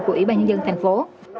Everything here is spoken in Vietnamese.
của ủy ban nhân dân thành phố